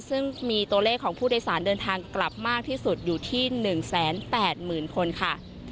ซึ่งมีตัวเลขของผู้โดยสารเดินทางกลับมากที่สุดอยู่ที่๑๘๐๐๐คนค่ะ